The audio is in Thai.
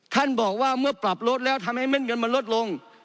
ท่านบอกว่าเมื่อปรับลดแล้วทำให้เม็ดเงินมันลดลง